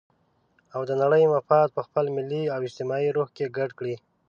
او د نړۍ مفاد په خپل ملي او اجتماعي روح کې ګډ کړي.